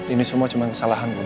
ini semua cuma kesalahan bu